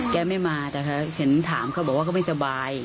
แกไม่มาแต่เขาเห็นถามเขาบอกว่าเขาไม่สบาย